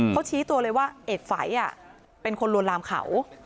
เขาชี้ตัวเลยว่าเอกฝัยเป็นคนลวนลามเขา